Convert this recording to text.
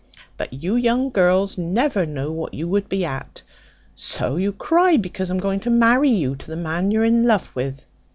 But you young girls never know what you would be at. So you cry because I am going to marry you to the man you are in love with!